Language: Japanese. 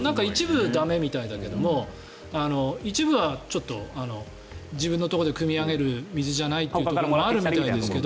一部は駄目みたいだけど一部はちょっと自分のところでくみ上げる水じゃないところもあるみたいですが。